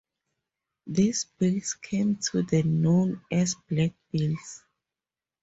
These bills came to be known as "black bills".